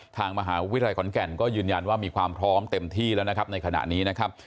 ทางมหาวิทยาลัยขอนแก่นก็ยืนยันว่ามีความพร้อมเต็มที่แล้วนะครับในขณะนี้นะครับ